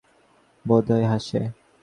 আমাকে দেখে ও বোধ হয় মনে মনে হাসে।